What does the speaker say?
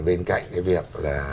bên cạnh cái việc là